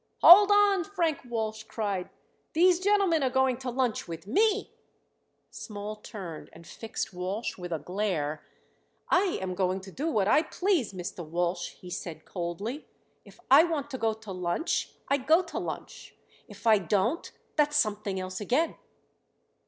"Hold on!" Frank Walsh cried. "These gentlemen are going to lunch with me." Small turned and fixed Walsh with a glare. "I am going to do what I please, Mr. Walsh," he said coldly. "If I want to go to lunch I go to lunch; if I don't that's something else again."